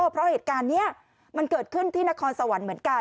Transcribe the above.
เพราะเหตุการณ์นี้มันเกิดขึ้นที่นครสวรรค์เหมือนกัน